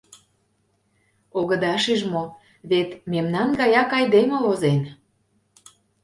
Огыда шиж мо: вет мемнан гаяк айдеме возен!